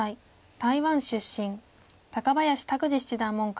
台湾出身。高林拓二七段門下。